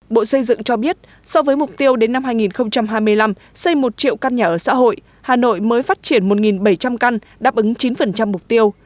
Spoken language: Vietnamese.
bộ xây dựng cho biết so với mục tiêu đến năm hai nghìn hai mươi năm xây một triệu căn nhà ở xã hội hà nội mới phát triển một bảy trăm linh căn đáp ứng chín mục tiêu